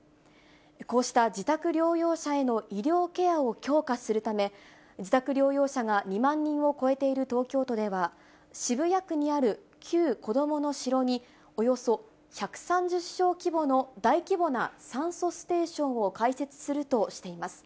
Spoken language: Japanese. こうした自宅療養者への医療ケアを強化するため、自宅療養者が２万人を超えている東京都では、渋谷区にある旧こどもの城に、およそ１３０床規模の大規模な酸素ステーションを開設するとしています。